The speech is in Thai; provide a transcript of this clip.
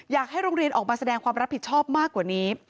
อยากให้โรงเรียนออกมาแสดงความรับผิดชอบมากกว่านี้